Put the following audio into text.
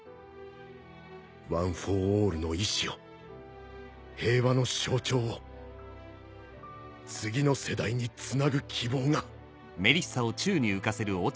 ワン・フォー・オールの意志を平和の象徴を次の世代につなぐ希望が。